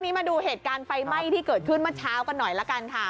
มาดูเหตุการณ์ไฟไหม้ที่เกิดขึ้นเมื่อเช้ากันหน่อยละกันค่ะ